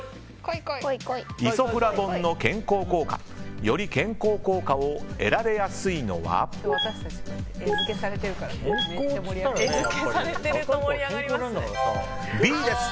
イソフラボンの健康効果より健康効果を得られやすいのはＢです。